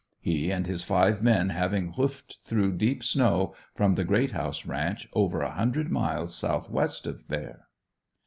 He and his five men having hoofed it through deep snow from the Greathouse ranch, over a hundred miles southwest of there.